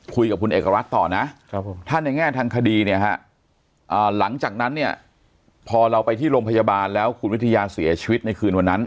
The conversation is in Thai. คุยกับคุณเอกรัฐต่อนะถ้าในแง่ทางคดีเนี่ยฮะหลังจากนั้นเนี่ยพอเราไปที่โรงพยาบาลแล้วคุณวิทยาเสียชีวิตในคืนวันนั้น